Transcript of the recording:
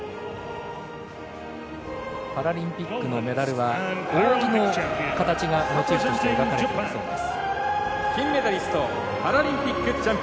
パラリンピックのメダルは扇の形がモチーフとして描かれているそうです。